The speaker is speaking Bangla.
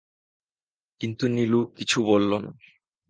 কিন্তু নীলু কিছু বলল না।